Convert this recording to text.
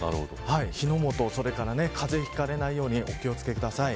火の元、それから風邪を引かれないようにお気を付けください。